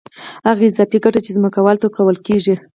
هغه اضافي ګټه چې ځمکوال ته ورکول کېږي